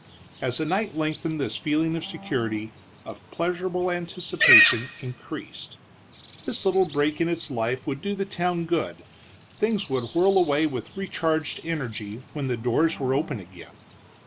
As the night lengthened this feeling of security, of pleasurable anticipation, increased. This little break in its life would do the town good; things would whirl away with recharged energy when the doors were opened again.